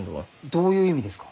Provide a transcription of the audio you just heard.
どういう意味ですか？